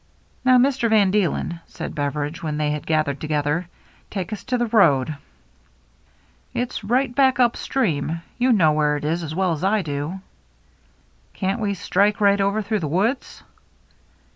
" Now, Mister van Deelen," said Beveridge, when they had gathered together, " take us to the road." " It's right back up stream. You know where it is as well as I do." 354 THE MERRY ANNE "Can't wc strike right over through the woods